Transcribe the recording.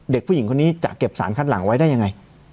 เด็กผู้หญิงคนนี้จะเก็บสารคัดหลังไว้ได้ยังไง